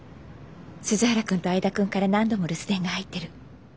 鈴原くんと相田くんから何度も留守電が入ってる。